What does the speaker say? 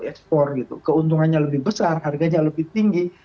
ekspor gitu keuntungannya lebih besar harganya lebih tinggi